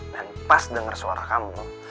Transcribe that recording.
dan pas denger suara kamu